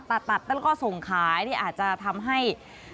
ตัดตัดแล้วก็ส่งขายนี่อาจจะทำให้